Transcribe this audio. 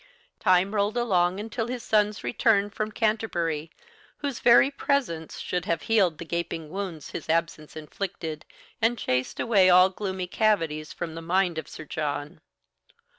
Time rolled along until his son's return from Canterbury, whose very presence should have healed the gaping wounds his absence inflicted, and chased away all gloomy cavities from the mind of Sir John.